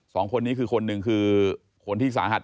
สองคนนี้คือคนหนึ่งคือคนที่สาหัส